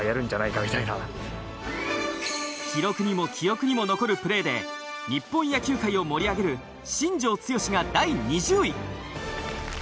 記録にも記憶にも残るプレーで日本野球界を盛り上げる新庄剛志が第２０位。